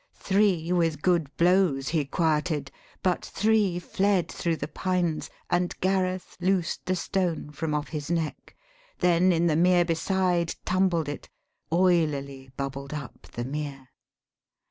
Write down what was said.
Three with good blows he quieted, but three Fled thro' the pines ; and Gareth loosed the stone From off his neck, then in the mere beside Tumbled it; oilily bubbled up the mere.